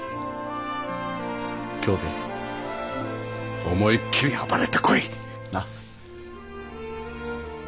京で思いっきり暴れてこい！な？